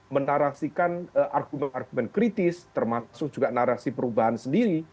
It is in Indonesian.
menarasikan argumen argumen kritis termasuk juga narasi perubahan sendiri